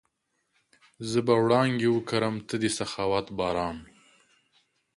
زه به وړانګې وکرم، ته د سخاوت باران